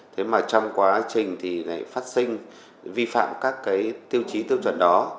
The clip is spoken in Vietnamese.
thế mà trong quá trình phát sinh vi phạm các tiêu chí tiêu chuẩn đó